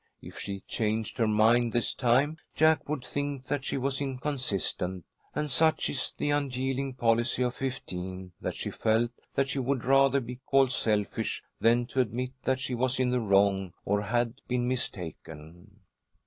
If she changed her mind this time, Jack would think that she was inconsistent; and such is the unyielding policy of fifteen, that she felt that she would rather be called selfish than to admit that she was in the wrong or had been mistaken.